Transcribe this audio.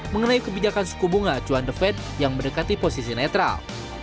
mengenai kebijakan suku bunga acuan the fed yang mendekati posisi netral